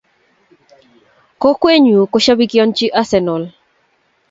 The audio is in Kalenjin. kokwee nyu kushobikionchini arsenal